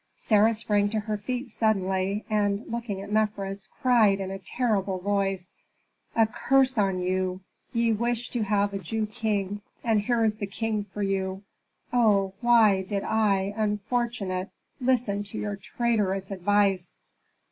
Sarah sprang to her feet suddenly, and, looking at Mefres, cried in a terrible voice, "A curse on you! Ye wished to have a Jew king, and here is the king for you. Oh, why did I, unfortunate, listen to your traitorous advice!"